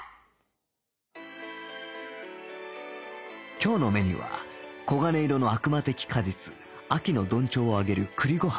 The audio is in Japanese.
今日のメニューは黄金色の悪魔的果実秋の緞帳を上げる栗ご飯